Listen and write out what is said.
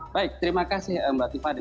baik terima kasih mbak tiffany